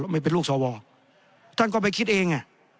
ไม่เป็นลูกสวท่านก็ไปคิดเอง